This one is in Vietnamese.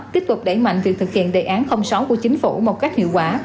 tiếp tục đẩy mạnh việc thực hiện đề án sáu của chính phủ một cách hiệu quả